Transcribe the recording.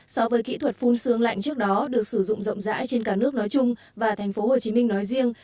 so với kỹ thuật phun xương lạnh trước đó được sử dụng rộng rãi trên cả nước nói chung và tp hcm nói riêng